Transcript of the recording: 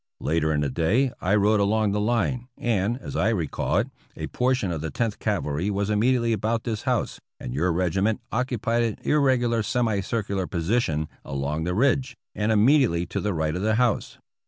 Later in the day I rode along the hne, and, as I recall it, a portion of the Tenth Cavalry was immediately about this house, and your regiment occupied an irregular semi circu lar position along the ridge and immediately to the right of the house.